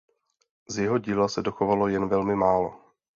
Z jeho díla se dochovalo jen velmi málo.